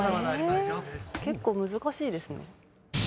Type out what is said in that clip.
え結構難しいですね。